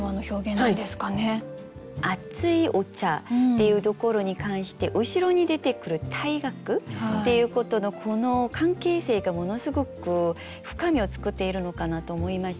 「熱いお茶」っていうところに関して後ろに出てくる「退学」っていうことのこの関係性がものすごく深みを作っているのかなと思いまして。